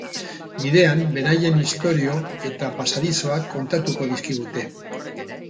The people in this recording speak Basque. Bidean beraien istorio eta pasadizoak kontatuko dizkigute.